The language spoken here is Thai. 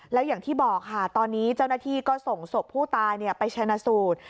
แล้วอย่างที่บอกค่ะตอนนี้เจ้าหน้าที่ก็ส่งศพผู้ตายไปชนะสูตร